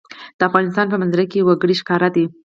د افغانستان په منظره کې وګړي ښکاره ده.